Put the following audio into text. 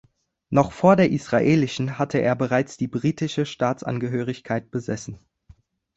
Noch vor der israelischen hatte er bereits die britische Staatsangehörigkeit besessen.